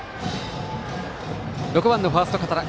６番のファースト、堅田。